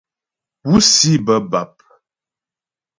Púsi bə́ bap.